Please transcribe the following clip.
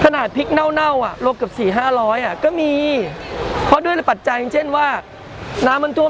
เน่าอ่ะลวกกับ๔๐๐๕๐๐ก็มีเพราะด้วยปัจจัย